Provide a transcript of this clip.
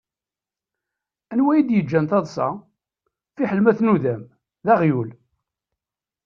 Anwa i d-yeǧǧan taḍsa? Fiḥel ma tnudam: D aɣyul.